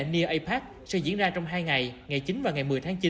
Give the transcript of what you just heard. nie apac sẽ diễn ra trong hai ngày ngày chín và ngày một mươi tháng chín